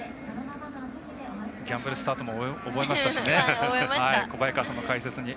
ギャンブルスタートも覚えましたしね。